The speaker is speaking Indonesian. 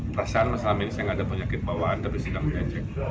perasaan masalah ini saya nggak ada penyakit bawaan tapi saya nggak punya cek